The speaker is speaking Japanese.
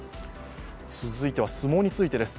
続いては相撲についてです。